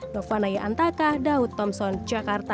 novanaya antaka daud thompson jakarta